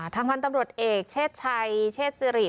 ทางพันธ์ตำรวจเอกเชศชัยเชศสิริ